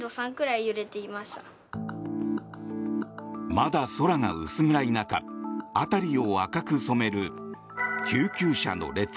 まだ空が薄暗い中辺りを赤く染める救急車の列。